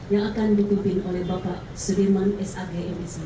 yang akan ditutupi oleh bapak sudirman sag misi